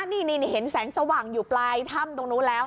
นี่เห็นแสงสว่างอยู่ปลายถ้ำตรงนู้นแล้ว